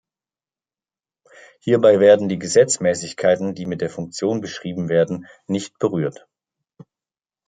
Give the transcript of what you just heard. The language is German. Hierbei werden die Gesetzmäßigkeiten, die mit der Funktion beschrieben werden, nicht berührt.